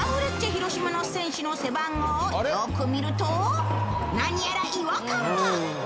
広島の選手の背番号をよく見ると何やら違和感が。